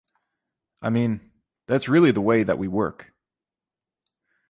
I mean, that's really the way that we work.